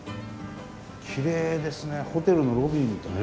きれいですねホテルのロビーみたい。